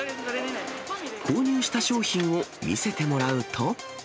購入した商品を見せてもらうと。